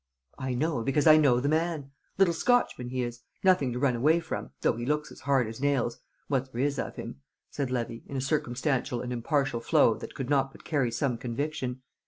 "I know because I know the man; little Scotchman he is, nothing to run away from though he looks as hard as nails what there is of him," said Levy, in a circumstantial and impartial flow that could not but carry some conviction.